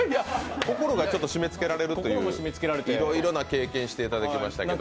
心がちょっと締めつけられるという、いろいろな経験していただきましたけど。